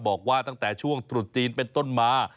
บอกว่าตั้งแต่ช่วงตรุษจีนเป็นต้นมา